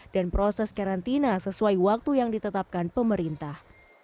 dan proses karantina sesuai waktu yang ditetapkan pemerintah